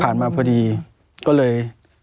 ผ่านมาพอดีก็เลย